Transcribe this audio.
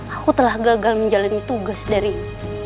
aku telah gagal menjalani tugas darimu